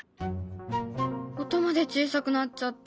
音まで小さくなっちゃった。